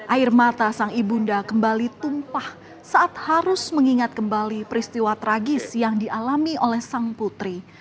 air mata sang ibunda kembali tumpah saat harus mengingat kembali peristiwa tragis yang dialami oleh sang putri